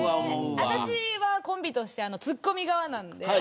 私はコンビとしてツッコミ側なので。